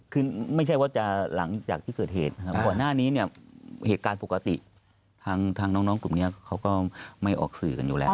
คือไม่ใช่ว่าจะหลังจากที่เกิดเหตุนะครับก่อนหน้านี้เนี่ยเหตุการณ์ปกติทางน้องกลุ่มนี้เขาก็ไม่ออกสื่อกันอยู่แล้ว